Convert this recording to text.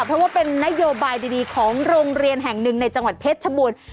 เพราะว่าเป็นนโยบายดีของโรงเรียนแห่งหนึ่งในจังหวัดเพชรชบูรณ์